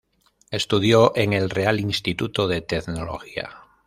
Estudió en el Real Instituto de Tecnología.